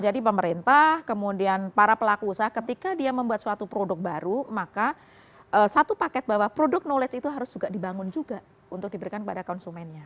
jadi pemerintah kemudian para pelaku usaha ketika dia membuat suatu produk baru maka satu paket bahwa produk knowledge itu harus juga dibangun juga untuk diberikan kepada konsumennya